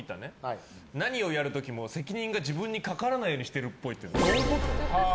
何をやる時も責任が自分にかからないようにしてるっぽい。